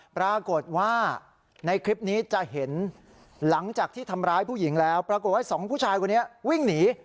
ปรากฏว่าในคลิปนี้จะเห็นหลังจากที่ทำร้ายผู้หญิงแล้วปรากฏว่าสองผู้ชายคนนี้วิ่งหนี